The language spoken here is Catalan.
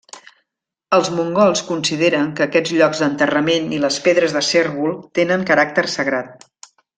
Els mongols consideren que aquests llocs d'enterrament i les pedres de cérvol tenen caràcter sagrat.